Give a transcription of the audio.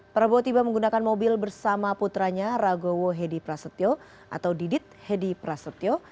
prabowo tiba menggunakan mobil bersama putranya ragowo hedi prasetyo atau didit hedi prasetyo